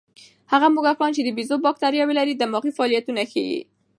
هغه موږکان چې د بیزو بکتریاوې لري، دماغي فعالیتونه ښيي.